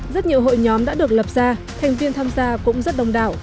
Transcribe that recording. rất nhiều hội nhóm đã được lập ra thành viên tham gia cũng rất đông đảo